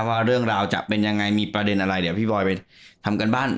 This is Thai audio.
ว่าเรื่องราวจะเป็นยังไงมีประเด็นอะไรเดี๋ยวพี่บอยไปทำการบ้าน